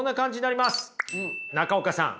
中岡さん。